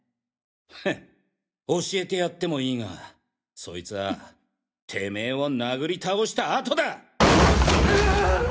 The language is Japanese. フン教えてやってもいいがそいつはテメェを殴り倒した後だ！！